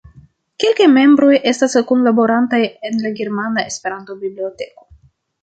Kelkaj membroj estas kunlaborantoj en la Germana Esperanto-Biblioteko.